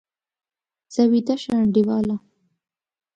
ځه، ویده شه انډیواله!